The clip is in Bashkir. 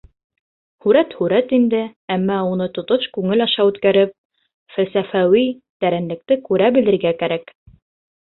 Һүрәт һүрәт инде, әммә уны тотош күңел аша үткәреп, фәлсәфәүи тәрәнлекте күрә белергә кәрәк.